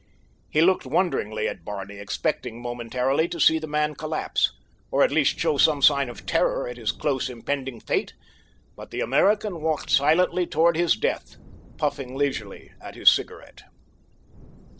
He looked wonderingly at Barney, expecting momentarily to see the man collapse, or at least show some sign of terror at his close impending fate; but the American walked silently toward his death, puffing leisurely at his cigarette.